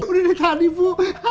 udah deh tadi bu